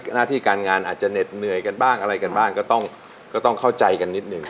หน้าที่การงานอาจจะเหน็ดเหนื่อยกันบ้างอะไรกันบ้างก็ต้องเข้าใจกันนิดหนึ่ง